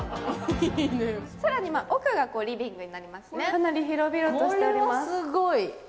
かなり広々としております。